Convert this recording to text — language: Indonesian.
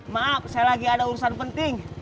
maaf saya lagi ada urusan penting